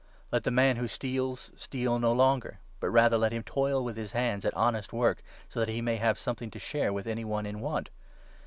Let the man who steals steal 28 no longer, but rather let him toil with his hands at honest work, so that he may have something to share with any one in want.